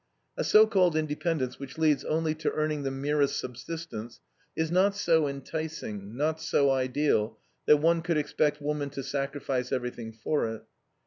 A so called independence which leads only to earning the merest subsistence is not so enticing, not so ideal, that one could expect woman to sacrifice everything for it.